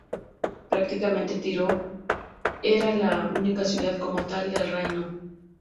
Prácticamente Tiro era la única ciudad, como tal, del reino.